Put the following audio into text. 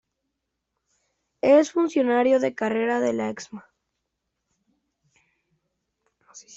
Es funcionario de carrera de la Excma.